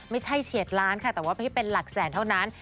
ไม่ใช่เฉียดร้านค่ะแต่ว่าไม่ได้เป็นหลักแสนเท่านั้น